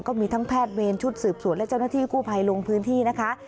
ก็มีทั้งแพทย์เวรชุดสืบสวนและเจ้าหน้าที่กู้ภัยลงพื้นที่นะคะ